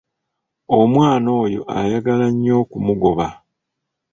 Omwana oyo ayagala nnyo okumugoba.